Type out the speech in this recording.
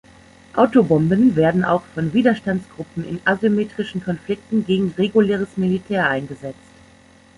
Autobomben werden auch von Widerstandsgruppen in asymmetrischen Konflikten gegen reguläres Militär eingesetzt.